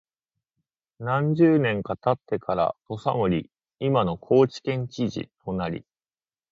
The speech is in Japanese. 何十年か経ってから土佐守（いまの高知県知事）となり、